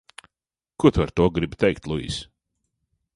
Ko tu ar to gribi teikt, Luis?